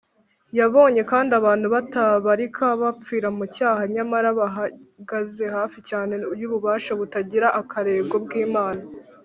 yabonye kandi abantu batabarika bapfira mu cyaha nyamara bahagaze hafi cyane y’ubufasha butagira akagero bw’imana